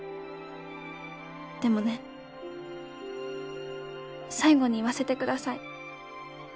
「でもね最後に言わせてください」